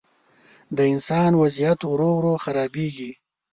د انسان وضعیت ورو، ورو خرابېږي.